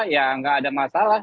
ya nggak ada masalah